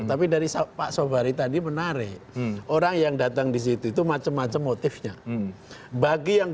tapi dari pak sobari tadi menarik orang yang datang disitu itu macam macam motifnya bagi yang